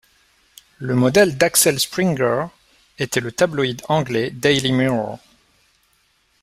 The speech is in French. Le modèle d'Axel Springer était le tabloïd anglais Daily Mirror.